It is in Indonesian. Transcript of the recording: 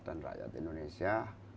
dan rakyat indonesia